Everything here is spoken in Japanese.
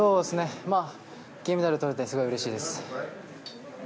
銀メダル取れてすごいうれしいです。